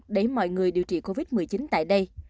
để mọi người điều trị covid một mươi chín tại đây